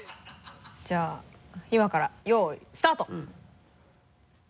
じゃあ今からよいスタート。